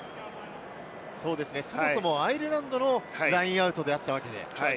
そもそもアイルランドのラインアウトであったわけで。